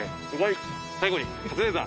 最後に。